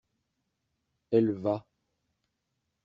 Elle va.